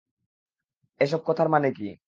এসব কথার মানে কী?